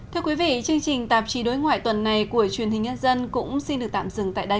thưa quý vị chương trình tạp chí đối ngoại tuần này của truyền hình nhân dân cũng xin được tạm dừng tại đây